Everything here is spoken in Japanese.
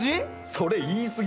それ言い過ぎ。